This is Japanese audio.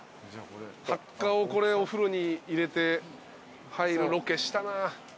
ハッカをこれお風呂に入れて入るロケしたなぁ。